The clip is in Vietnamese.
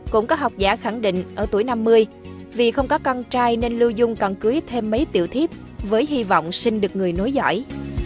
cũng có học giả khẳng định ở tuổi năm mươi vì không có con trai nên lưu dung còn cưới thêm mấy tiểu thiếp với hy vọng sinh được người nối giỏi